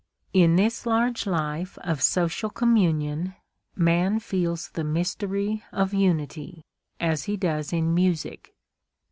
In this large life of social communion man feels the mystery of Unity, as he does in music.